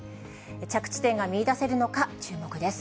着地点が見いだせるのか注目です。